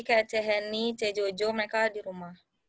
kayak ceheni cejojo mereka di rumah